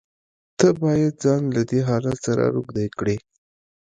ته بايد ځان له دې حالت سره روږدى کړې.